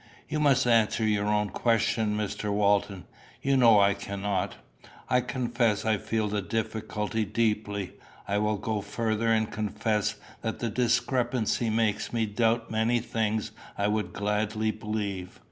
"You must answer your own question, Mr. Walton. You know I cannot. I confess I feel the difficulty deeply. I will go further, and confess that the discrepancy makes me doubt many things I would gladly believe.